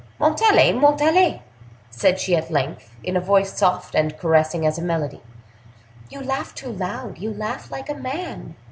"Montalais! Montalais!" said she at length, in a voice soft and caressing as a melody, "you laugh too loud—you laugh like a man!